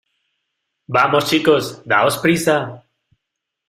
¡ vamos, chicos! ¡ daos prisa !